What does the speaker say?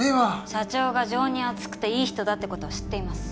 社長が情に厚くていい人だって事は知っています。